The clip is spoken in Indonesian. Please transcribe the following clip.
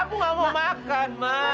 aku enggak mau makan ma